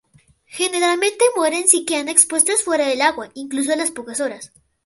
Generalmente mueren si quedan expuestas fuera del agua, incluso a las pocas horas.